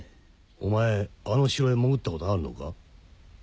お前あの城へ潜ったことがあるのか？